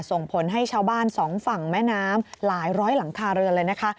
ส่งผลให้ชาวบ้านสองฝั่งแม่น้ำหลายร้อยหลังคาเรือนเลยนะคะ